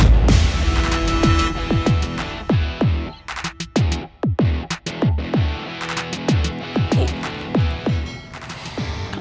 ibu tuh ngerasakan kamu